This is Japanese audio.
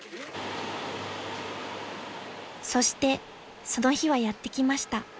［そしてその日はやって来ました］